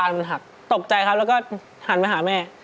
นั่งดูโทรธรรมที่บ้านครับนั่งดูโทรธรรมที่บ้านครับ